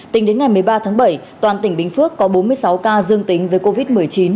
tính đến ngày một mươi ba tháng bảy toàn tỉnh bình phước có bốn mươi sáu ca dương tính với covid một mươi chín